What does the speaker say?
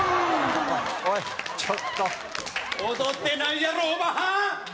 おいちょっと踊ってないやろオバハン！